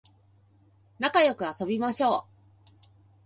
なかよく遊びましょう